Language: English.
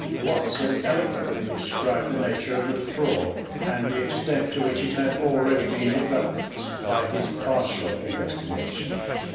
Watson eloquently described the nature of the fraud, and the extent to which it had already been developed by his partial investigation.